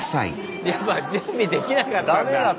やっぱ準備できなかったんだ。